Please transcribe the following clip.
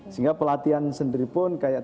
sehingga pelatihan sendiri pun kayak